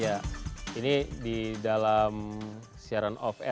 nah ini saya mau nanyain gue